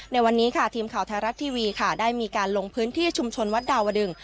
ในวันนี้ค่ะทีมข่าวไทยรัฐทีวีค่ะได้มีการลงพื้นที่ชุมชนวัดดาวดึง